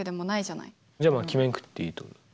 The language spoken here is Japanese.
じゃあまあ決めんくっていいってこと？